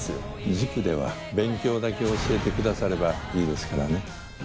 塾では勉強だけ教えてくださればいいですからね。